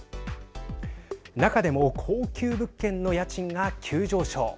中でも高級物件の家賃が急上昇。